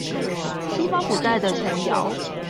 西方古代的童謠